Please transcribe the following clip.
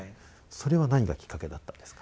それは何がきっかけだったんですか？